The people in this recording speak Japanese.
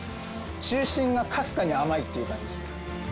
中心がかすかに甘いっていう感じです。